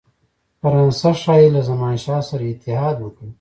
فرانسه ښايي له زمانشاه سره اتحاد وکړي.